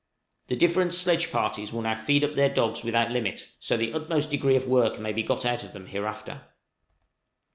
The different sledge parties will now feed up their dogs without limit, so that the utmost degree of work may be got out of them hereafter.